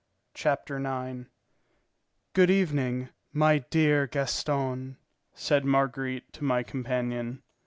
Chapter IX "Good evening, my dear Gaston," said Marguerite to my companion.